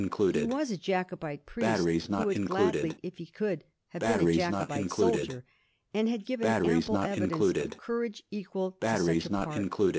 He was a Jacobite priest who would gladly, if he could, have been a Jacobite soldier, and had given ample evidence of courage equal to such a part.